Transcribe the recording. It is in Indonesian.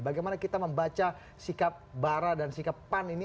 bagaimana kita membaca sikap bara dan sikap pan ini